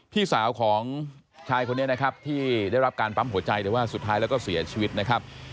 พี่สาวของชายคนนี้นะครับที่ได้รับการปั๊มหัวใจแต่ว่าสุดท้ายแล้วก็เสียชีวิตนะครับ